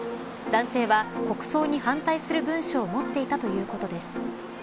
男性は国葬に反対する文書を持っていたということです。